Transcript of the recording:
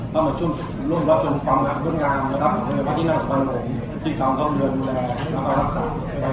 ก็หมายช่วงร่วมรอบชนความและภาพงาน